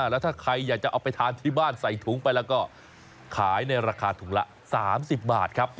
แล้วถ้าใครอยากจะเอาไปทานที่บ้านใส่ถุงไปแล้วก็ขายในราคาถุงละ๓๐บาทครับ